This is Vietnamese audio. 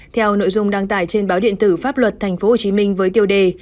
theo nội dung đăng tải trên báo điện tử pháp luật tp hcm với tiêu đề